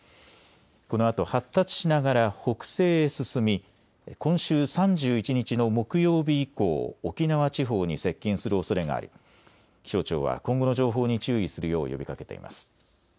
このあと発達しながら北西へ進み今週３１日の木曜日以降、沖縄地方に接近するおそれがあり気象庁は今後の情報に注意するよう呼びかけています。